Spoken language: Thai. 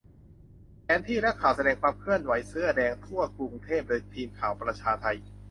แผนที่และข่าว แสดงความเคลื่อนไหวเสื้อแดงทั่วกรุงเทพ โดยทีมข่าวประชาไท